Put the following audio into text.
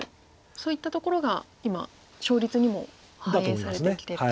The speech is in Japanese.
そういったところが今勝率にも反映されてきてると。